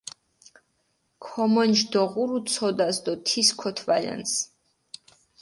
ქომონჯი დოღურუ ცოდას დო თის ქოთვალჷნს.